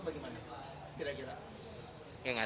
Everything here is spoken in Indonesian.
masih ada yang mau komen